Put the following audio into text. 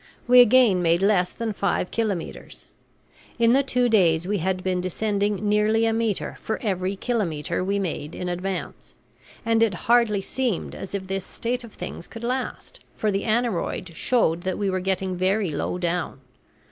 We again made less than five kilometres; in the two days we had been descending nearly a metre for every kilometre we made in advance; and it hardly seemed as if this state of things could last, for the aneroid showed that we were getting very low down.